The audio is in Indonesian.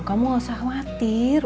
kamu nggak usah khawatir